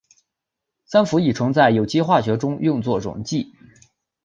三氟乙醇在有机化学中用作溶剂。